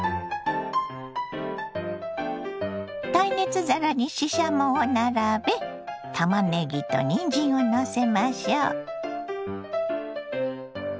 耐熱皿にししゃもを並べたまねぎとにんじんをのせましょう。